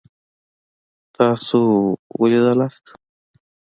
تاسو ولوېدلئ؟